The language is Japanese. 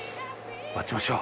待ちましょう。